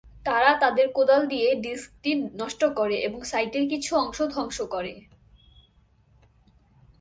তারা তাদের কোদাল দিয়ে ডিস্কটি নষ্ট করে এবং সাইটের কিছু অংশ ধ্বংস করে।